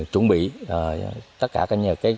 đồng ý tất cả các